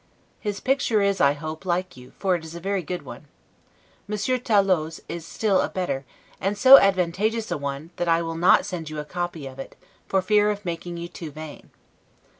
His picture is, I hope, like you; for it is a very good one: Monsieur Tollot's is still a better, and so advantageous a one, that I will not send you a copy of it, for fear of making you too vain.